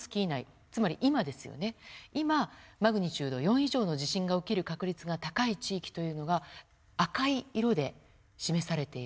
今マグニチュード４以上の地震が起きる確率が高い地域というのが赤い色で示されているんですね。